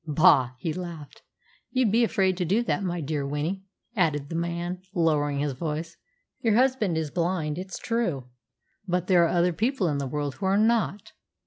"Bah!" he laughed. "You'd be afraid to do that, my dear Winnie," added the man, lowering his voice. "Your husband is blind, it's true; but there are other people in the world who are not.